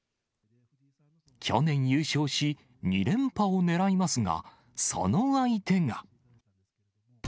去年優勝し、２連覇をねらいますが、その相手が。